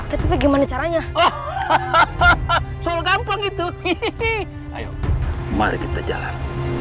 tetapi gimana caranya hahaha soal gampang itu marga jalan